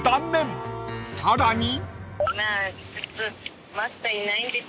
［さらに］